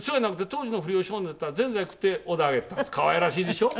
「かわいらしいでしょ？」